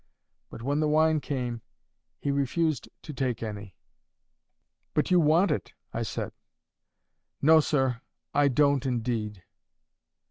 But when the wine came, he refused to take any. "But you want it," I said. "No, sir, I don't, indeed."